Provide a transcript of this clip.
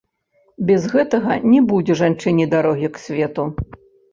Без гэтага не будзе жанчыне дарогі к свету.